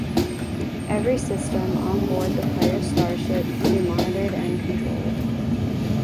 Every system on board the player's starship can be monitored and controlled.